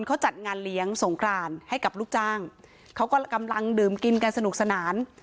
เขาจัดงานเลี้ยงสงครานให้กับลูกจ้างเขาก็กำลังดื่มกินกันสนุกสนาน